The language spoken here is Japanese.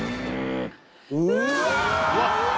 うわ！